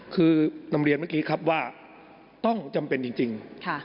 คือนำเรียนเมื่อกี้ครับว่าต้องจำเป็นจริง